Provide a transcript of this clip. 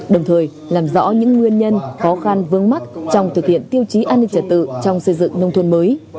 đồng thời làm rõ những nguyên nhân khó khăn vương mắc trong thực hiện tiêu chí an ninh trả tự trong xây dựng nông thuật mới